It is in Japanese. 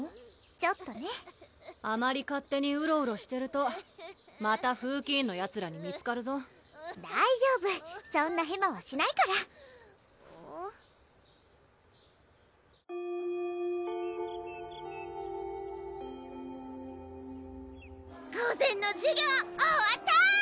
ちょっとねあまり勝手にうろうろしてるとまた風紀委員のヤツらに見つかるぞ大丈夫そんなヘマはしないから・・午前の授業終わった！